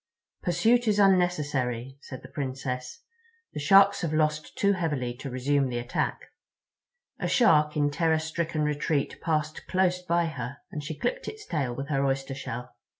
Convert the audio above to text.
"Pursuit is unnecessary," said the Princess. "The Sharks have lost too heavily to resume the attack." A Shark in terror stricken retreat passed close by her, and she clipped its tail with her oyster shell.